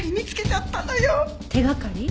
手掛かり？